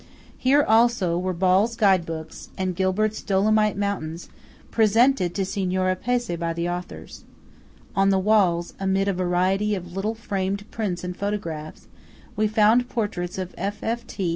Here also were Ball's Guide books, and Gilbert's "Dolomite Mountains" presented to Signora Pezzé by the authors. On the walls, amid a variety of little framed prints and photographs, we found portraits of F.F.T.